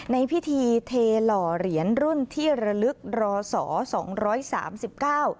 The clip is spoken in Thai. ในพิธีเทหล่อเหรียญรุ่นที่ระลึกรอสอสองร้อยสามสิบเก้า